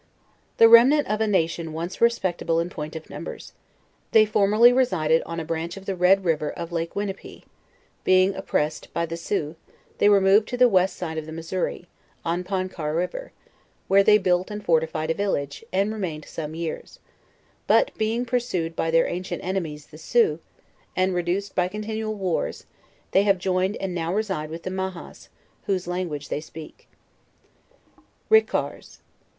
The remnant of a nation once respectable in point of numbers. They formerly resided on a branch of the Red river of lake Winnipie; being oppressed by the Si oux, they removed to the west eide of tho Missouri, on Pon car river, where they built and fortified a village, and remain ed some years: but being purged by tiieir ancient enemies the Sioux, and reduced by continual wars, they have joined and no\V reside with the Mali^s, whose language they speak RICARS.